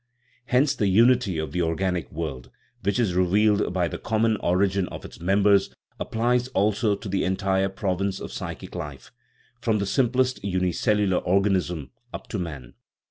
Hence the unity of the organic world, which is revealed by the common origin of its members, applies also to the entire province of psychic life, from the simplest unicellular organism up to man.